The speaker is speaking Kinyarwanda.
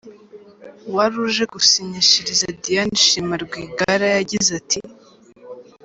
Uwari uje gusinyishiriza Diane Shima Rwigara yagize ati :